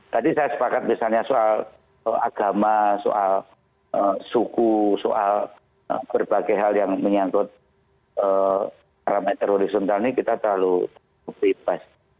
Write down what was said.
tadi saya sepakat misalnya soal agama soal suku soal berbagai hal yang menyangkut parameter horizontal ini kita terlalu bebas